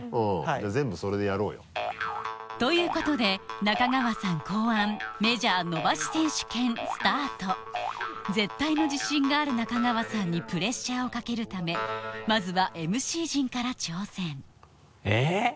じゃあ全部それでやろうよ。ということで仲川さん考案メジャー伸ばし選手権スタート絶対の自信がある仲川さんにプレッシャーをかけるためまずはＭＣ陣から挑戦えっ？